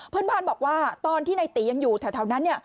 เพื่อนบ้านบอกว่าตอนที่ในตียังอยู่แถวนั้นเนี่ย